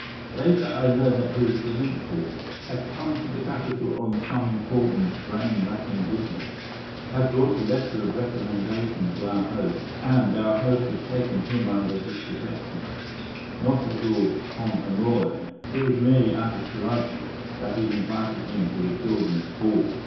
Later I learned that he was a provincial, had come to the capital on some important, brain racking business, had brought a letter of recommendation to our host, and our host had taken him under his protection, not at all con amore. It was merely out of politeness that he had invited him to the children's ball.